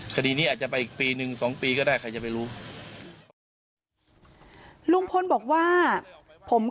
คดีนี้อาจจะไปอีกปีหนึ่งสองปีก็ได้ใครจะไปรู้ลุงพลบอกว่าผม